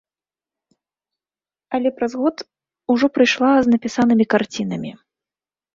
Але праз год ужо прыйшла з напісанымі карцінамі.